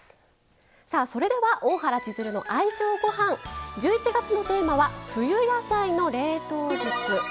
それでは「大原千鶴の愛情ごはん」１１月のテーマは「冬野菜の冷凍術」。